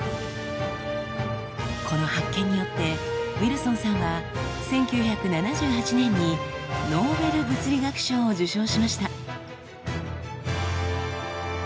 この発見によってウィルソンさんは１９７８年にノーベル物理学賞を受賞しました。